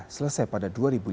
selesai pada dua ribu lima belas